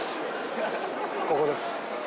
ここです。